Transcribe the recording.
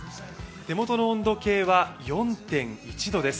手元の温度計は４．１度です。